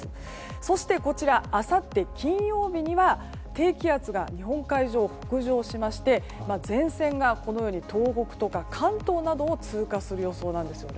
そして、こちらあさって金曜日には低気圧が日本海上を北上しまして前線が東北や関東などを通過する予想なんです。